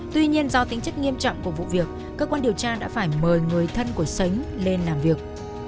tuy nhiên do tính chất nghiêm trọng của vụ việc cơ quan điều tra đã phải mời người thân của sánh lên làm việc